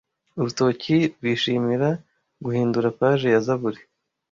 urutoki rwishimira guhindura page ya zaburi